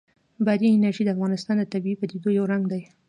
بادي انرژي د افغانستان د طبیعي پدیدو یو رنګ دی.